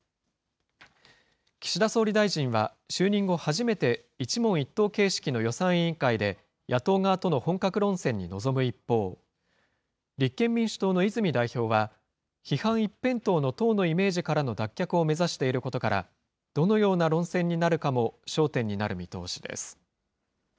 岸田総理大臣は、就任後初めて、一問一答形式の予算委員会で、野党側との本格論戦に臨む一方、立憲民主党の泉代表は、批判一辺倒の党のイメージからの脱却を目指していることから、どのような論戦になるかも焦点になる見通し